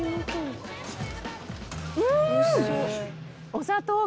うん！